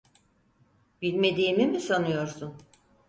Bilmediğimi mi sanıyorsun?